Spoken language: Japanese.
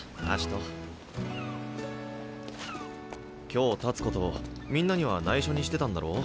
今日たつことをみんなにはないしょにしてたんだろ？